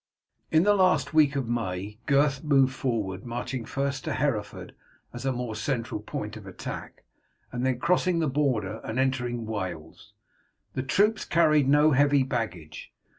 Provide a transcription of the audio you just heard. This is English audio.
In the last week of May Gurth moved forward, marching first to Hereford as a more central point of attack, and then crossing the border and entering Wales. The troops carried no heavy baggage.